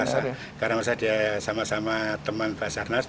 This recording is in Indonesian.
karena masa dia sama sama teman basarnas